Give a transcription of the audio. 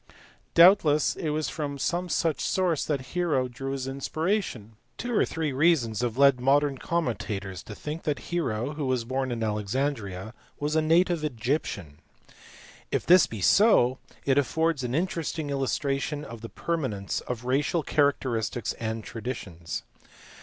* Doubtless it was from some such source that Hero drew his inspiration. Two or three reasons have led modern commentators to think that Hero, who was born in Alexandria, was a native Egyptian. If this be so, it affords an interesting illustration of the permanence of racial characteristics and traditions.